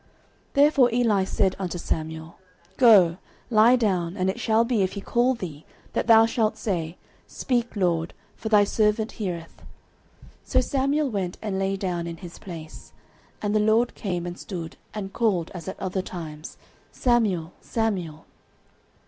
09:003:009 Therefore Eli said unto Samuel, Go, lie down: and it shall be, if he call thee, that thou shalt say, Speak, LORD; for thy servant heareth. So Samuel went and lay down in his place. 09:003:010 And the LORD came, and stood, and called as at other times, Samuel, Samuel.